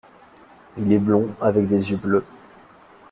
Il est blond avec des yeux bleus.